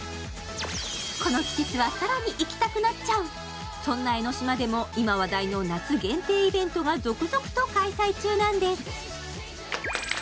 この季節は更に行きたくなっちゃうそんな江の島でも今話題の夏限定イベントが続々開催中なんです。